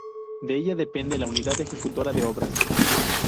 De ella depende la Unidad Ejecutora de Obras.